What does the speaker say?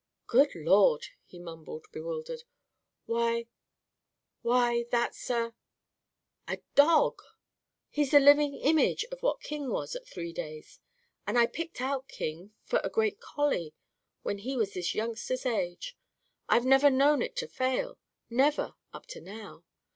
"Good Lord!" he mumbled, bewildered, "why, why, that's a a DOG! He's the living image of what King was, at three days. And I picked out King for a great collie when he was this youngster's age. I've never known it to fail. Never, up to now.